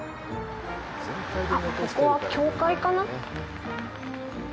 あっ、ここは教会かな？